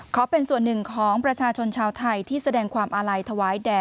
ขอเป็นส่วนหนึ่งของประชาชนชาวไทยที่แสดงความอาลัยถวายแด่